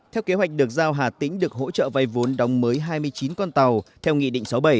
theo kế hoạch được giao hà tĩnh được hỗ trợ vay vốn đóng mới hai mươi chín con tàu theo nghị định sáu mươi bảy